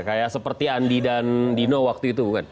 kayak seperti andi dan dino waktu itu bukan